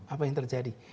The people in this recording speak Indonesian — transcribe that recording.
apa yang terjadi